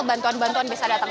bantuan bantuan bisa datang